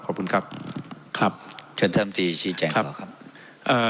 ขอบคุณครับครับเชิญเทิมทีชีแจงขอครับเอ่อ